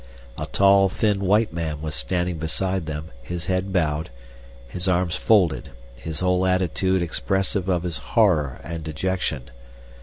A tall, thin white man was standing beside them, his head bowed, his arms folded, his whole attitude expressive of his horror and dejection.